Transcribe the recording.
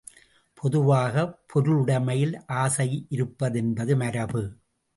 பொதுவாக, பொருளுடைமையில் ஆசையிருப்பதென்பது மரபு.